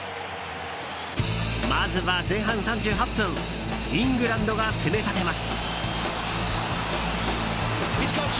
まずは、前半３８分イングランドが攻め立てます。